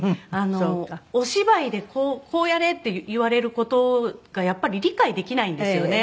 お芝居でこうやれって言われる事がやっぱり理解できないんですよね。